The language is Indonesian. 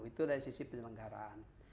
itu dari sisi penyelenggaraan